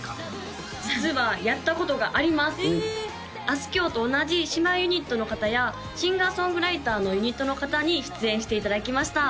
あすきょうと同じ姉妹ユニットの方やシンガー・ソングライターのユニットの方に出演していただきました